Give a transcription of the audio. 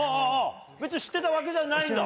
別に知ってたわけではないんだ。